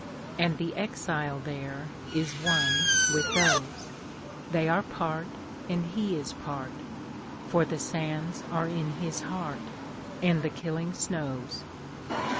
And the exile thereIs one with those; They are part, and he is part, For the sands are in his heart, And the killing snows.